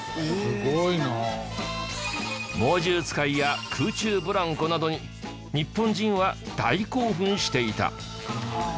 猛獣使いや空中ブランコなどに日本人は大興奮していた。